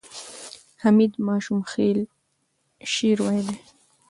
حمید ماشوخېل شعر ویلی.